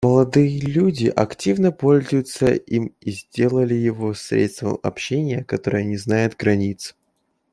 Молодые люди активно пользуются им и сделали его средством общения, которое не знает границ.